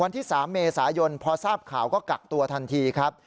ที่๓เมษายนพอทราบข่าวก็กักตัวทันทีครับ